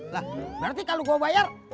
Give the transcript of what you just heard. lah berarti kalau gue bayar